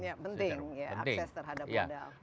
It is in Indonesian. ya penting ya akses terhadap modal